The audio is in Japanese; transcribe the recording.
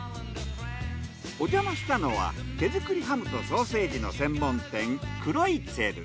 おじゃましたのは手づくりハムとソーセージの専門店